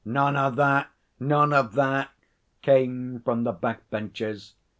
'None o' that! None o' that!' came from the Back Benches.